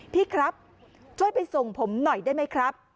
พี่ครับช่วยไปส่งผมหน่อยได้ไหมครับ